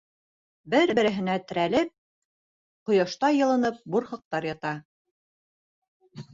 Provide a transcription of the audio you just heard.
...Бер-береһенә терәлеп ҡояшта йылынып бурһыҡтар ята.